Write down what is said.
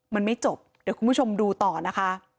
มันไม่จบเดี๋ยวคุณผู้ชมดูต่อนะคะ